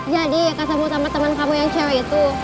jadi kakak sama temen kamu yang cewek itu